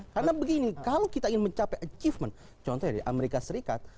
karena begini kalau kita ingin mencapai achievement contohnya di amerika serikat